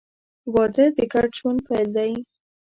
• واده د ګډ ژوند پیل دی.